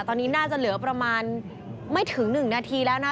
ตอนนี้น่าจะเหลือประมาณไม่ถึง๑นาทีแล้วนะ